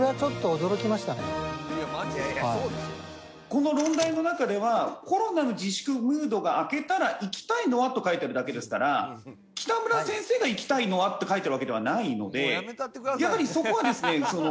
この論題の中では「コロナの自粛ムードが明けたら行きたいのは？」と書いてあるだけですから「北村先生が行きたいのは？」って書いてあるわけではないのでやはりそこはですね